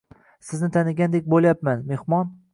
– Sizni tanigandek bo‘lyapman, mehmon